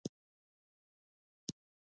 دوکاندار له خلکو نه دعا غواړي.